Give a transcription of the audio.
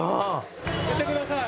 見てください。